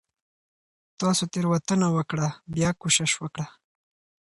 تاسو تيروتنه وکړه . بيا کوشش وکړه